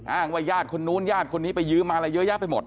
ว่าญาติคนนู้นญาติคนนี้ไปยืมมาอะไรเยอะแยะไปหมด